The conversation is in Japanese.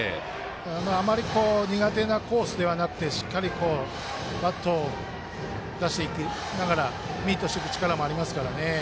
あまり苦手なコースではなくてしっかりバットを出していきながらミーとしていく力ありますからね。